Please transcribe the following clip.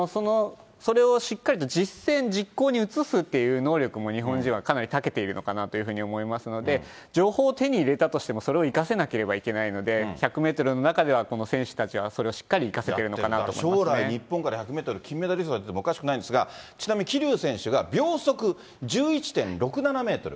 それをしっかりと実践、実行に移すっていう能力も、日本人はかなりたけているのかなと思いますので、情報を手に入れたとしてもそれを生かせないといけないので、１００メートルの中では、この選手たちはそれをしっかり生かせている将来日本から１００メートル金メダリストが出てもおかしくないんですが、ちなみに桐生選手、秒速１１．６７メートル。